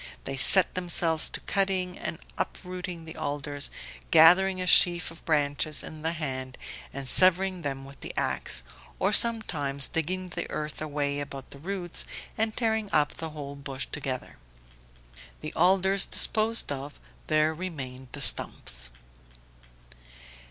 They set themselves to cutting and uprooting the alders, gathering a sheaf of branches in the hand and severing them with the ax, or sometimes digging the earth away about the roots and tearing up the whole bush together. The alders disposed of, there remained the stumps.